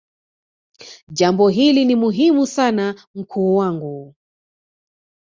jambo hili ni muhimu sana mkuu wangu